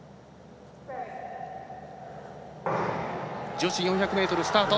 女子４００ｍスタート。